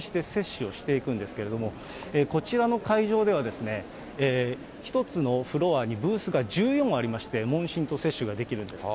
こちらで問診、そして接種をしていくんですけれども、こちらの会場では、１つのフロアにブースが１４ありまして、問診と接種ができるんです。